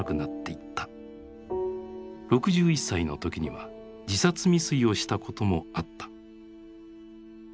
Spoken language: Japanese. ６１歳の時には自殺未遂をしたこともあった。